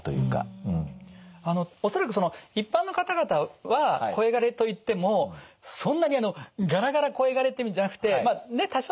恐らく一般の方々は声がれといってもそんなにあのがらがら声がれって意味じゃなくてまあ多少の。